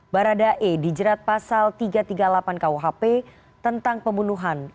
baradae dijerat pasal tiga ratus tiga puluh delapan kuhp tentang pembunuhan